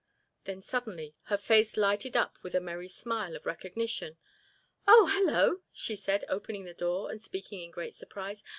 Then suddenly her face lighted up with a merry smile of recognition. "Oh, hello," she said, opening the door and speaking in great surprise.